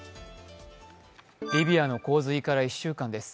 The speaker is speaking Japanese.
リビアの洪水から１週間です。